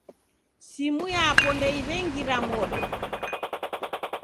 Simu yapo ndeyaw'iangira modo.